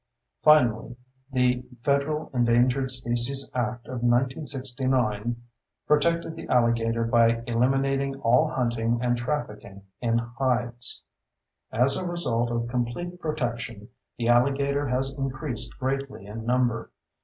Finally, the Federal Endangered Species Act of 1969 protected the alligator by eliminating all hunting and trafficking in hides. As a result of complete protection, the alligator has increased greatly in number.